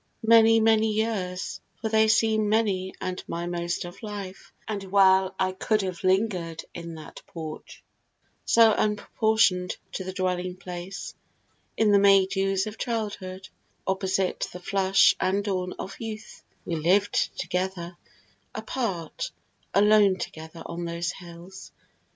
Many, many years, For they seem many and my most of life, And well I could have linger'd in that porch, So unproportioned to the dwelling place, In the maydews of childhood, opposite The flush and dawn of youth, we lived together, Apart, alone together on those hills.